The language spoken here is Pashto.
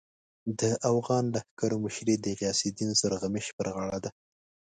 د اوغان لښکرو مشري د غیاث الدین سورغمش پر غاړه ده.